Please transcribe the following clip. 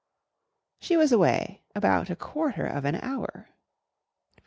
] She was away about a quarter of an hour.